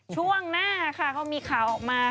ช่วงหน้าค่ะเขามีข่าวออกมา